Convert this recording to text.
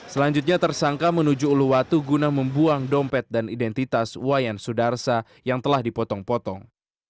selanjutnya tersangka menuju uluwatu guna membuang dompet dan identitas wayan sudarsa yang telah dipotong potong